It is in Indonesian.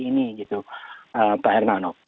ini gitu pak hernano